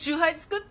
って